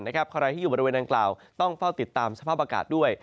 ใครที่อยู่บริเวณดังกล่าวต้องเฝ้าติดตามสภาพอากาศด้วย